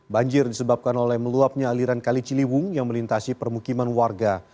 banjir disebabkan oleh meluapnya aliran kali ciliwung yang melintasi permukiman warga